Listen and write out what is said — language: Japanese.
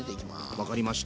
分かりました。